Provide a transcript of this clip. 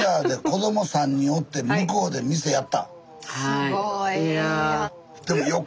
すごい。